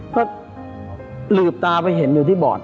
ก็หลืบตาไปเห็นอยู่ที่บอด